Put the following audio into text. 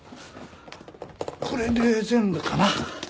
これで全部かな。